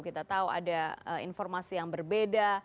kita tahu ada informasi yang berbeda